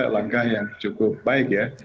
langkah yang cukup baik ya